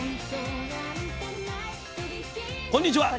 こんにちは。